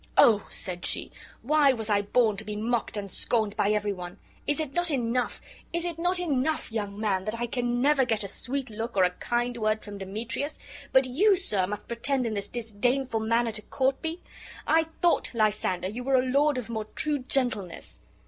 "Oh!" said she, "why was I born to be mocked and scorned by every one? Is it not enough, is it not enough, young man, that I can never get a sweet look or a kind word from Demetrius; but you, sir, must pretend in this disdainful manner to court me? I thought, Lysander, you were a lord of more true gentleness."